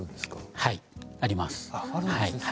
はい、あります。